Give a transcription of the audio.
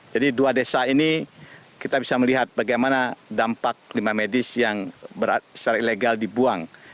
jadi dua desa ini kita bisa melihat bagaimana dampak limbah medis yang secara ilegal dibuang